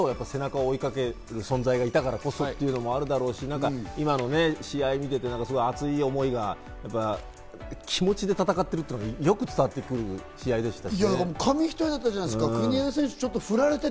国枝選手がいたからこそ背中を追いかける存在があったからこそ、というのもあるだろうし、今の試合を見ていて熱い思いが気持ちで戦ってるっていうのが、よく伝わってくる試合でしたね。